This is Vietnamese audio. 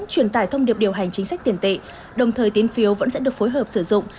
truyền tải thông điệp điều hành chính sách tiền tệ đồng thời tín phiếu vẫn sẽ được phối hợp sử dụng